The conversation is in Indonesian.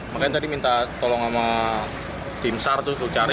makanya tadi minta tolong sama tim sar tuh cari